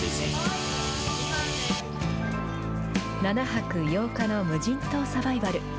７泊８日の無人島サバイバル。